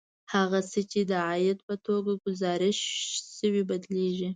هغه څه چې د عاید په توګه ګزارش شوي بدلېږي